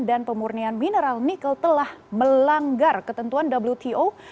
dan pemurnian mineral nikel telah melanggar ketentuan wto